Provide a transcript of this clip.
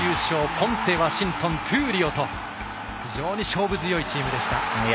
ポンテ、ワシントン闘莉王と非常に勝負強いチームでした。